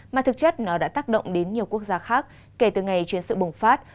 mà thực chất nó đã tác động đến nhiều quốc gia khác kể từ ngày chiến sự bùng phát